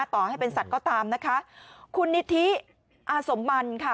ต่อให้เป็นสัตว์ก็ตามนะคะคุณนิธิอาสมบันค่ะ